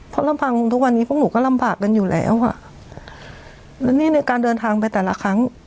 เพราะลำพังทุกวันนี้พวกหนูก็ลำบากกันอยู่แล้วค่ะแล้วนี่ในการเดินทางไปแต่ละครั้ง